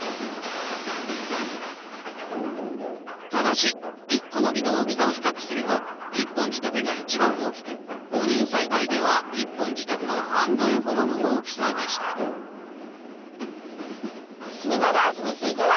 ただし１個の実の大きさを比較すると１本仕立てが一番大きく放任栽培では１本仕立ての半分ほどの大きさでした気になる味については？